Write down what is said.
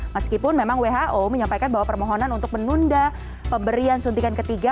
meskipun memang who menyampaikan bahwa permohonan untuk menunda pemberian suntikan ketiga